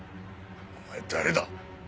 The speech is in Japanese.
お前誰だ？